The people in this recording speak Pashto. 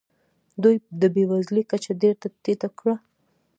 دوی د بې وزلۍ کچه ډېره ټیټه کړه.